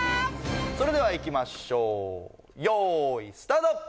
それではいきましょうよーいスタート！